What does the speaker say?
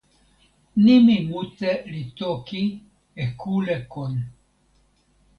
nimi mute li toki e kule kon.